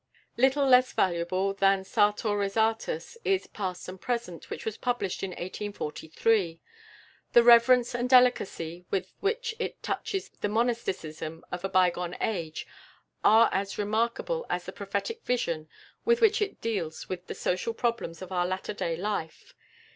Little less valuable than "Sartor Resartus" is "Past and Present," which was published in 1843. The reverence and delicacy with which it touches the monasticism of a bygone age are as remarkable as the prophetic vision with which it deals with the social problems of our latter day life.